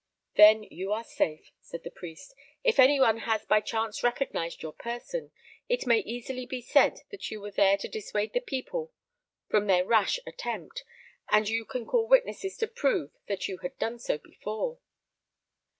"Then you are safe," said the priest. "If any one has by chance recognised your person, it may easily be said that you were there to dissuade the people from their rash attempt; and you can call witnesses to prove that you had done so before."